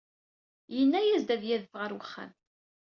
Yenna-as ad d-yadef ɣer uxxam.